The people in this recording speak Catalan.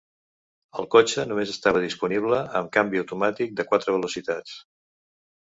El cotxe només estava disponible amb canvi automàtic de quatre velocitats.